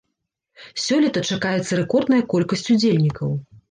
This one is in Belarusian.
Сёлета чакаецца рэкордная колькасць удзельнікаў.